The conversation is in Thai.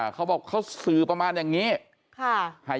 เขาบอกเขาสื่อประมาณอย่างนี้